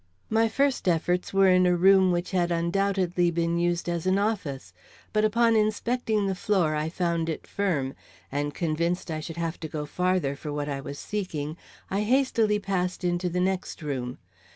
My first efforts were in a room which had undoubtedly been used as an office. But upon inspecting the floor I found it firm, and, convinced I should have to go farther for what I was seeking, I hastily passed into the next room.